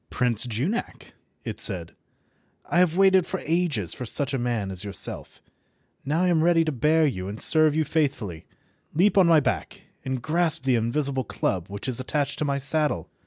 "Prince Junak," it said, "I have waited for ages for such a man as yourself. Now I am ready to bear you and serve you faithfully. Leap on my back and grasp the invisible club which is attached to my saddle.